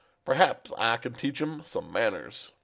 "Perhaps I can teach him some manners."